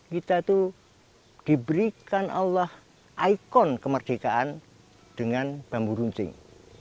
kita itu diberikan allah ikon kemerdekaan dengan bambu runcing